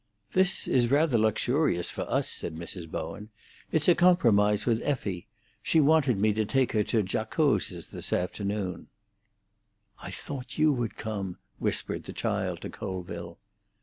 "This is rather luxurious for us," said Mrs. Bowen. "It's a compromise with Effie. She wanted me to take her to Giacosa's this afternoon." "I thought you would come," whispered the child to Colville.